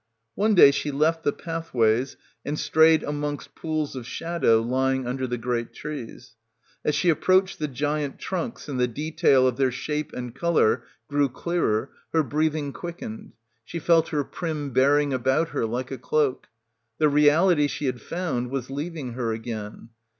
One day she left the pathways and strayed amongst pools of shadow lying under the great trees. As she approached the giant trunks and — 171 — PILGRIMAGE , the detail of their shape and colour grew clearer her breathing quickened. She felt her prim bear ing about her like a cloak. The reality she had found was leaving her again.